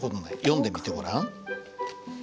読んでみてごらん。